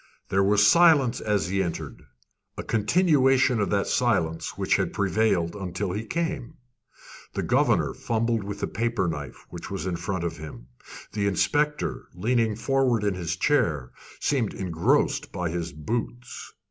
There was silence as he entered, a continuation of that silence which had prevailed until he came. The governor fumbled with a paper knife which was in front of him. The inspector, leaning forward in his chair, seemed engrossed by his boots.